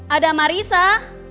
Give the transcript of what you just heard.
ada marissa dedy dan reina